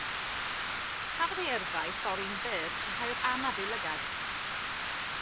Cafodd ei yrfa ei thorri'n fyr oherwydd anaf i'w lygad.